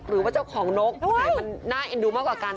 หรือว่าเจ้าของนกผู้ไหนมันน่าเอ็นดูมากกว่ากัน